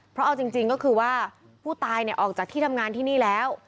เพราะเอาจริงก็คือว่าผู้ตายออกจากที่ทำงานที่นี่แล้ว